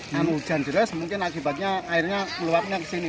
dan hujan deras mungkin akibatnya airnya keluar ke sini